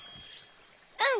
うん！